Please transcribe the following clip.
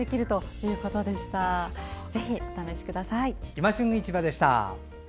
「いま旬市場」でした。